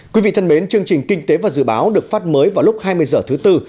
quý vị thân mến chương trình kinh tế và dự báo được phát mới vào lúc hai mươi h thứ tư